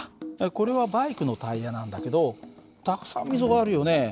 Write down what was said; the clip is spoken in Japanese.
これはバイクのタイヤなんだけどたくさん溝があるよね。